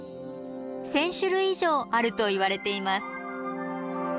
１，０００種類以上あるといわれています。